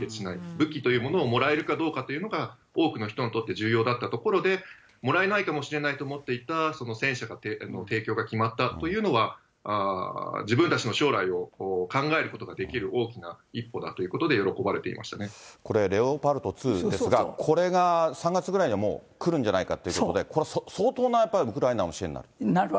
武器というものをもらえるかどうかというのが、多くの人にとって重要だったところで、もらえないかもしれないと思っていた戦車の提供が決まったというのは、自分たちの将来を考えることができる大きな一歩だというここれ、レオパルト２ですが、これが３月ぐらいにはもう来るんじゃないかということで、これ、相当なやっぱりウクライナへの支援になる。